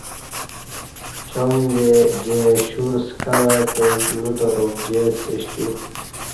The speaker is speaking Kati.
ݜیام جے شور سکہ وےتہ نوتات ابجییاش تیو